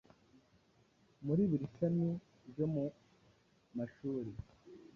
Muri buri shami ryo mu mashuri,